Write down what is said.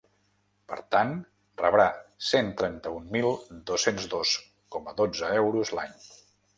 Per tant, rebrà cent trenta-un mil dos-cents dos coma dotze euros a l’any.